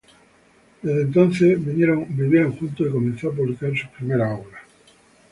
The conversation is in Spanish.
Desde entonces vivieron juntos y comenzó a publicar sus primeras obras.